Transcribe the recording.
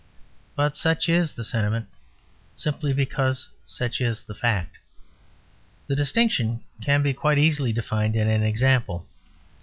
But such is the sentiment, simply because such is the fact. The distinction can be quite easily defined in an example.